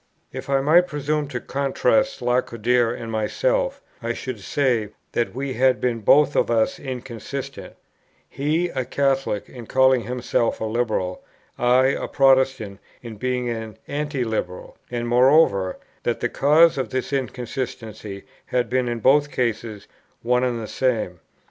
If I might presume to contrast Lacordaire and myself, I should say, that we had been both of us inconsistent; he, a Catholic, in calling himself a Liberal; I, a Protestant, in being an Anti liberal; and moreover, that the cause of this inconsistency had been in both cases one and the same.